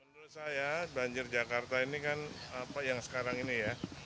menurut saya banjir jakarta ini kan yang sekarang ini ya